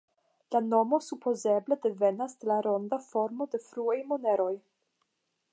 La nomo supozeble devenas de la ronda formo de fruaj moneroj.